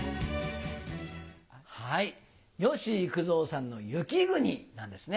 はい吉幾三さんの『雪國』なんですね。